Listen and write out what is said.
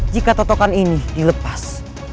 jika totokan ini dilepas